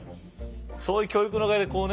そういう教育のおかげでこうね